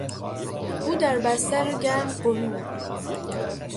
او در بستر گرم غنود.